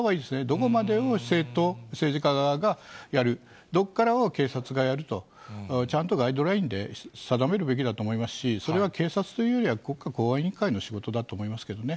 どこまでを政党、政治家側がやる、どこからは警察がやると、ちゃんとガイドラインで定めるべきだと思いますし、それは警察というよりは、国家公安委員会の仕事だと思いますけどね。